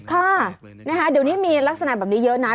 ค่ะเดี๋ยวนี้มีลักษณะแบบนี้เยอะนะ